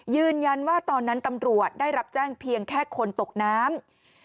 ยืนยันว่าตอนนั้นตำรวจได้รับแจ้งเพียงแค่คนตกน้ำ